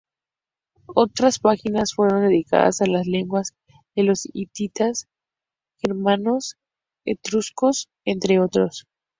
Otras páginas fueron dedicadas a las lenguas de los hititas, germanos, etruscos, entre otros.